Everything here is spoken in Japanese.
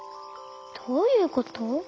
どういうこと？